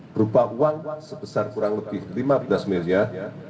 berupa uang sebesar kurang lebih lima belas miliar